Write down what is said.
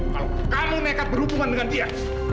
kalau nekat berhubungan dengan dia